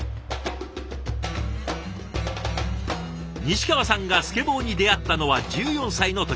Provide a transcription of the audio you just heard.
西川さんがスケボーに出会ったのは１４歳の時。